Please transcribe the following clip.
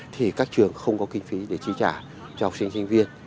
thì các trường không có kinh phí để chi trả cho học sinh sinh viên